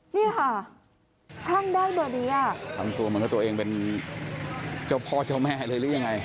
นี่ค่ะคลั่งได้เบอร์นี้อ่ะทำตัวเหมือนกับตัวเองเป็นเจ้าพ่อเจ้าแม่เลยหรือยังไง